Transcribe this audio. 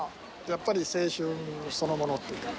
やっぱり青春そのものっていうか。